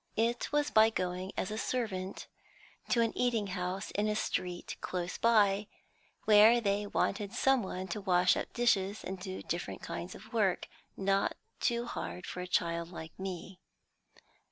It was by going as a servant to an eating house in a street close by, where they wanted some one to wash up dishes and do different kinds of work not too hard for a child like me.